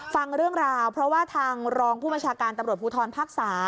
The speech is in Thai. ฟังเรื่องราวเพราะว่าทางรองผู้บัญชาการตำรวจภูทรภาค๓